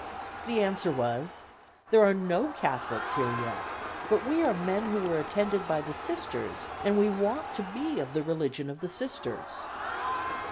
The answer was, 'There are no Catholics here yet, but we are men who were attended by the Sisters and we want to be of the religion of the Sisters.